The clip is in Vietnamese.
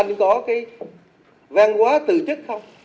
anh có cái vang quá từ chức không